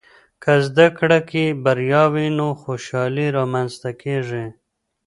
که زده کړه کې بریا وي، نو خوشحالۍ رامنځته کېږي.